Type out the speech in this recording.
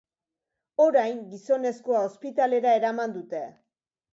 Orain, gizonezkoa ospitalera eraman dute.